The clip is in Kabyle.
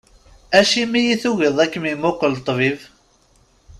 Acimi i tugiḍ ad k-imuqel ṭṭbib?